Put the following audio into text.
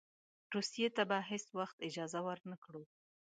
روسیې ته به هېڅ وخت اجازه ورنه کړو.